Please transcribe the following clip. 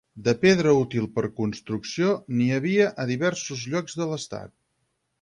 De pedra útil per construcció n'hi havia a diversos llocs de l'estat.